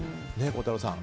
孝太郎さん。